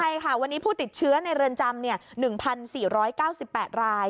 ใช่ค่ะวันนี้ผู้ติดเชื้อในเรือนจำ๑๔๙๘ราย